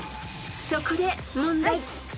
［そこで問題］